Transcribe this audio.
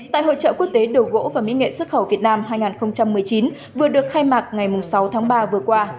tại hội trợ quốc tế đồ gỗ và mỹ nghệ xuất khẩu việt nam hai nghìn một mươi chín vừa được khai mạc ngày sáu tháng ba vừa qua